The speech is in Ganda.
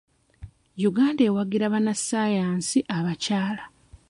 Uganda ewagira bannassaayansi abakyala.